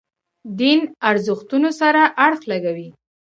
دین ارزښتونو سره اړخ لګوي.